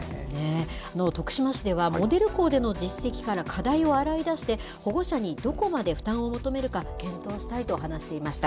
徳島市ではモデル校での実績から課題を洗い出して、保護者にどこまで負担を求めるか、検討したいと話していました。